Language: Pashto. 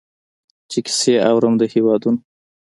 چي کیسې اورم د هیوادونو